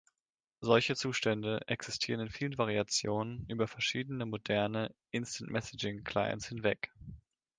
Solche Zustände existieren in vielen Variationen über verschiedene moderne Instant Messaging-Clients hinweg.